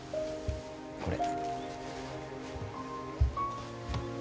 これ。